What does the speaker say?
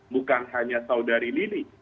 bukan hanya saudari lili